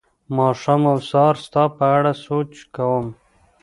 ماښام او سهار ستا په اړه سوچ کوم